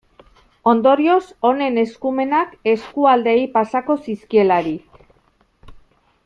Ondorioz, honen eskumenak eskualdeei pasako zizkielarik.